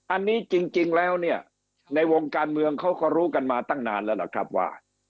อันนี้จริงแล้วเนี่ยในวงการเมืองเขาก็รู้กันมาตั้งนานแล้วล่ะครับว่า